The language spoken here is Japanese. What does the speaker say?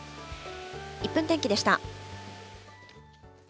１分天気でした。